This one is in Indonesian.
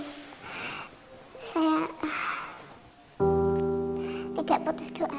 saya tidak putus doa